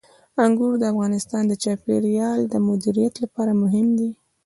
انګور د افغانستان د چاپیریال د مدیریت لپاره مهم دي.